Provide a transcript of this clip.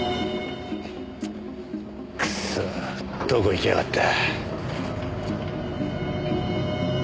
クソどこ行きやがった？